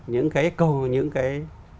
những cái câu những cái